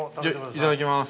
◆いただきます。